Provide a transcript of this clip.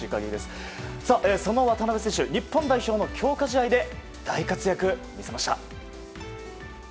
その渡邊選手、日本代表の強化試合で大活躍を見せました。